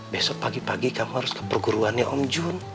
besok pagi pagi kamu harus ke perguruannya om jun